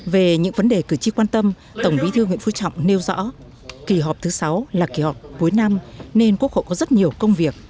về những vấn đề cử tri quan tâm tổng bí thư nguyễn phú trọng nêu rõ kỳ họp thứ sáu là kỳ họp cuối năm nên quốc hội có rất nhiều công việc